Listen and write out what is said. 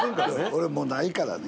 俺もうないからね。